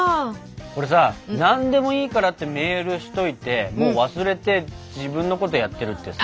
これさ「何でもいいから」ってメールしといてもう忘れて自分のことやってるってさ。